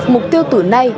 mục tiêu tuổi này